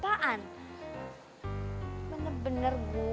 bener bener gue mau berbicara sama reva gitu kan